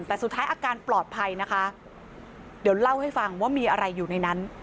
แต่สุดท้ายอาการปลอดภัยนะคะเดี๋ยวเล่าให้ฟังว่ามีอะไรอยู่ในนั้น